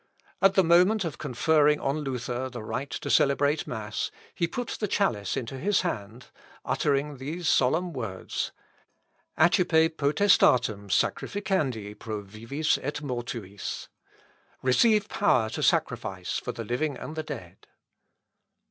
At the moment of conferring on Luther the right to celebrate mass, he put the chalice into his hand, uttering these solemn words, "Accipe potestatem sacrificandi pro vivis et mortuis" "Receive power to sacrifice for the living and the dead."